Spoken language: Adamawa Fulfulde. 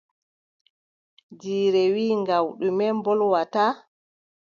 Jiire wii gaw: ɗume mbolwata?